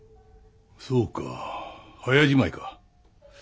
そうか早じまいか。